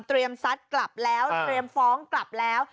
ซัดกลับแล้วเตรียมฟ้องกลับแล้ว